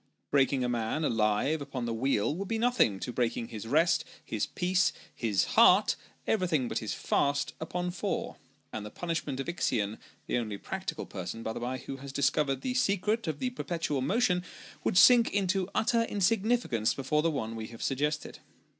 Breaking a man alive upon the wheel, would be nothing to breaking his rest, his peace, his heart everything but his fast upon four ; and the punishment of Ixion (the only practical person, by the bye, who has discovered the secret of the perpetual motion) would sink into utter insignificance before the one we have suggested.